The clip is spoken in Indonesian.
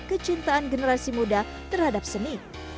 kecintaan generasi muda terhadap seni